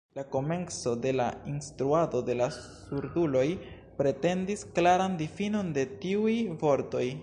La komenco de la instruado de la surduloj pretendis klaran difinon de tiuj vortoj.